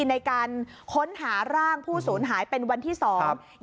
ในการค้นหาร่างผู้สูญหายเป็นวันที่สอง